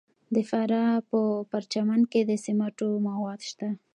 د فراه په پرچمن کې د سمنټو مواد شته.